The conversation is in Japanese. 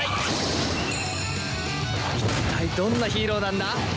いったいどんなヒーローなんだ？